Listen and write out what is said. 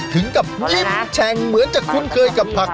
ถึงกับลิ้มแช่งเหมือนจะคุ้นเคยกับผัก